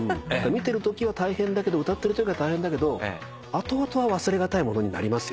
見てるときは大変だけど歌ってるときは大変だけど後々は忘れがたいものになりますよね。